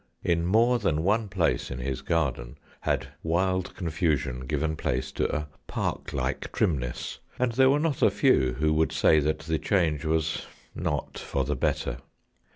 In more than one place in his garden had wild confusion given place to a park like trimness, and there were not a few who would say that the change was not for the better.